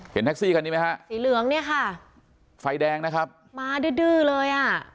แท็กซี่คันนี้ไหมฮะสีเหลืองเนี่ยค่ะไฟแดงนะครับมาดื้อดื้อเลยอ่ะ